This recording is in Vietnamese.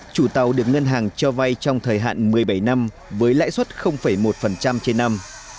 chủ tàu được ngân hàng cho vay trong thời hạn một mươi bảy năm với lãi suất một trên năm